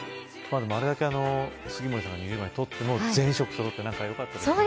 あれだけ杉森さんが２０枚取っても全色そろってよかったですね